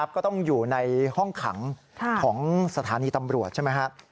ก็ต้องอยู่ในห้องขังของสถานีตำรวจใช่ไหมครับ